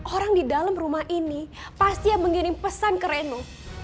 orang di dalam rumah ini pasti yang mengirim pesan ke reno